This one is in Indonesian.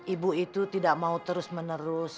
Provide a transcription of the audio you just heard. ibu itu tidak mau terus menerus